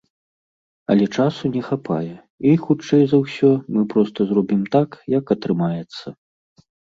Але часу не хапае, і, хутчэй за ўсё, мы проста зробім так, як атрымаецца.